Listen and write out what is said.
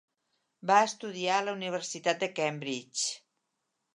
Va estudiar a la Universitat de Cambridge.